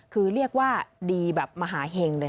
คือเรียกว่าดีแบบมหาเห็งเลย